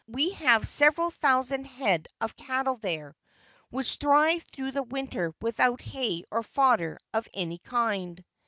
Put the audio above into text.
We have several thousand head of cattle there, which thrive through the winter without hay or fodder of any kind.